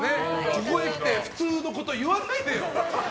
ここへきて普通のこと言わないでよ。